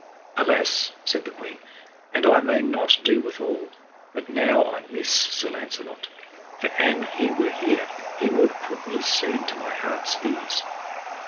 Alas, said the queen, and I may not do withal, but now I miss Sir Launcelot, for an he were here he would put me soon to my heart's ease.